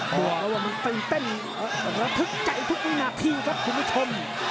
แล้วมันตื่นเต้นแล้วทึกใจทุกหน้าที่ครับคุณผู้ชม